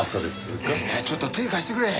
ちょっと手貸してくれ。